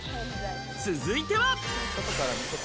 続いては。